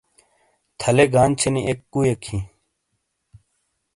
تھلے گانچھے نی اک کوئیک ہیں۔